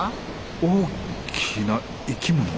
大きな生き物？